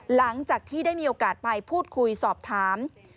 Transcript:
หลังจากที่ได้มีโอกาสไปพูดคุยสอบถาม